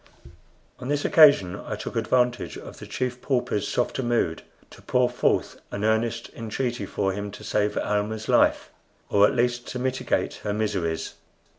On this occasion I took advantage of the Chief Pauper's softer mood to pour forth an earnest entreaty for him to save Almah's life, or at least to mitigate her miseries.